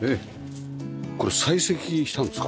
これ採石したんですか？